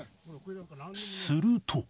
すると。